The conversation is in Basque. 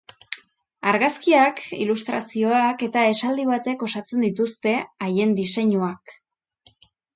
Argazkiak, ilustrazioak eta esaldi batek osatzen dituzte haien diseinuak.